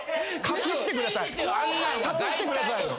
隠してくださいよ。